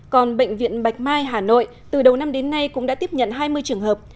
còn bệnh viện bạch mai hà nội từ đầu năm đến nay cũng đã tiếp nhận hai mươi trường hợp